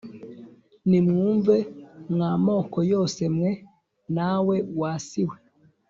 Nimwumve mwa moko yose mwe nawe wa si we